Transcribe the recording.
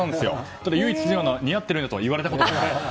ただ唯一違うのは似合っているねと言われたことがない。